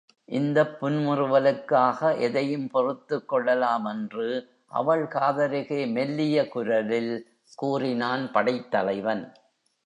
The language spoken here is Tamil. இந்தப் புன்முறுவலுக்காக எதையும் பொறுத்துக் கொள்ளலாம் என்று அவள் காதருகே மெல்லிய குரலில் கூறினான் படைத் தலைவன்.